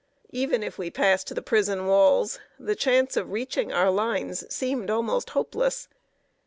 Even if we passed the prison walls, the chance of reaching our lines seemed almost hopeless.